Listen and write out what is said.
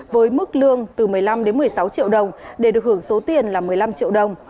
với mức lương từ một mươi năm đến một mươi sáu triệu đồng để được hưởng số tiền là một mươi năm triệu đồng